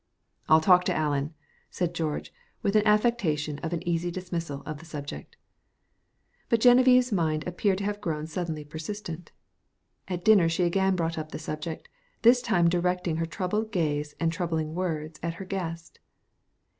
"I'll talk to Allen," said George with an affectation of easy dismissal of the subject. But Genevieve's mind appeared to have grown suddenly persistent. At dinner she again brought up the subject, this time directing her troubled gaze and troubling words at her guest.